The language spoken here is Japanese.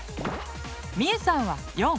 みゆさんは４。